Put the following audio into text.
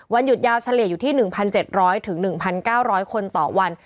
หยุดยาวเฉลี่ยอยู่ที่๑๗๐๐๑๙๐๐คนต่อวัน